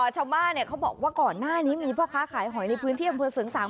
ชาวบ้านเขาบอกว่าก่อนหน้านี้มีพ่อค้าขายหอยในพื้นที่อำเภอเสริงสาง